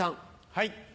はい。